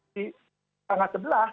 di tangga sebelah